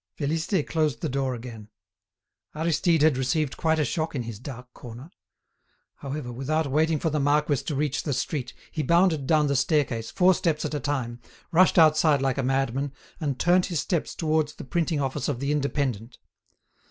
Félicité closed the door again. Aristide had received quite a shock in his dark corner. However, without waiting for the marquis to reach the street, he bounded down the staircase, four steps at a time, rushed outside like a madman, and turned his steps towards the printing office of the "Indépendant."